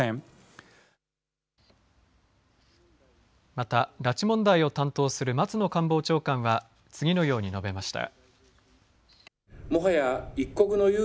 また、拉致問題を担当する松野官房長官は次のように述べました。